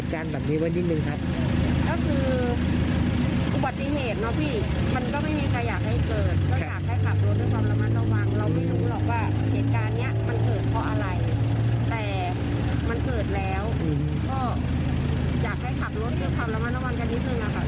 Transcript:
อยากให้มีกล้องวงจรปิดมากกว่านี้